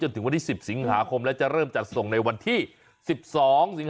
ถึงวันที่๑๐สิงหาคมและจะเริ่มจัดส่งในวันที่๑๒สิงหา